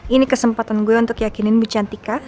ini kesempatan gue untuk yakinin bu cantika